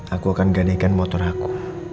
aku akan gadekan motor aku